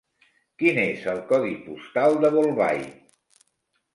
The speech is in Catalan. Quin és el codi postal de Bolbait?